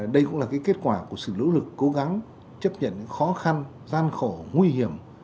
đây cũng là kết quả của sự lỗ lực cố gắng chấp nhận khó khăn gian khổ nguy hiểm